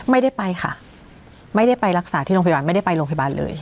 ไม่ได้ไปค่ะไม่ได้ไปรักษาที่โรงพยาบาลไม่ได้ไปโรงพยาบาลเลย